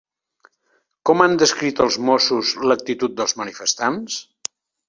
Com han descrit els Mossos l'actitud dels manifestants?